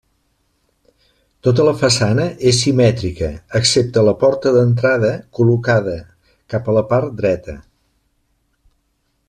Tota la façana és simètrica, excepte la porta d'entrada col·locada cap a la part dreta.